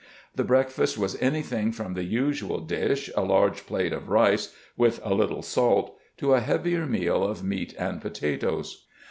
The breakfast was anything from the "usual dish, a large plate of rice with a little salt" to a heavier meal of meat and potatoes.